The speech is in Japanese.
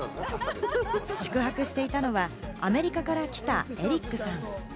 宿泊していたのはアメリカから来たエリックさん。